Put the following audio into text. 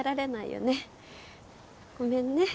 ごめんね。